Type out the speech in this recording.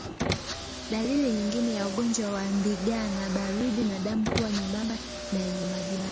Dalili nyingine ya ugonjwa wa ndigana baridi ni damu kuwa nyembamba na yenye majimaji